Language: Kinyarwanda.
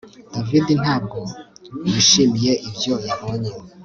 David ntabwo yishimiye ibyo yabonye